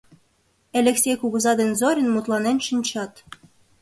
Элексей кугыза ден Зорин мутланен шинчат.